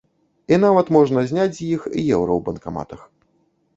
І нават можна зняць з іх еўра ў банкаматах.